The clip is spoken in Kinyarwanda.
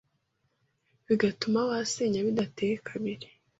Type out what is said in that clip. bigatuma wasenya bidateye kabiri.